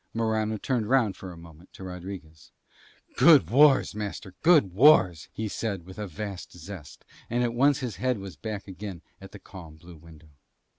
Morano turned round for a moment to Rodriguez: "Good wars, master, good wars," he said with a vast zest, and at once his head was back again at that calm blue window.